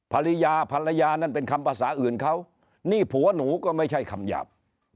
ภรรยาภรรยานั่นเป็นคำภาษาอื่นเขานี่ผัวหนูก็ไม่ใช่คำหยาบ